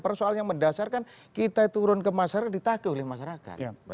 persoalannya mendasarkan kita turun ke masyarakat ditakil oleh masyarakat